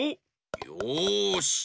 よし。